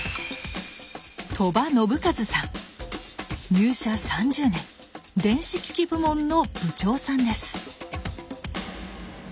入社３０年電子機器部門の部長さんです。